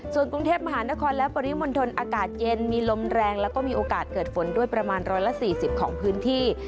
ส่วนกรุงเทพมหานครและปริมณฑลอากาศเย็นมีลมแรงแล้วก็มีโอกาสเกิดฝนด้วยประมาณ๑๔๐ของพื้นที่